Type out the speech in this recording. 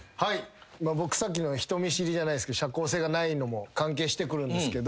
さっきの人見知りじゃないすけど社交性がないのも関係してくるんですけど。